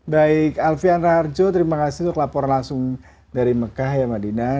baik alfian raharjo terima kasih untuk laporan langsung dari mekah ya madinah